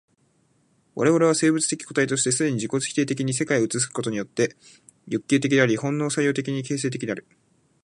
我々は生物的個体として既に自己否定的に世界を映すことによって欲求的である、本能作用的に形成的である。